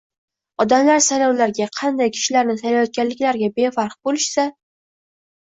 Odamlar saylovlarga, qanday kishilarni saylayotganliklariga befarq bo‘lishsa